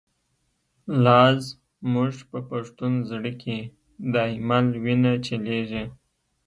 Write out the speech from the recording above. لاز موږ په پښتون زړه کی، ”دایمل” وینه چلیږی